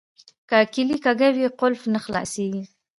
که کیلي کږه وي قلف نه خلاصیږي.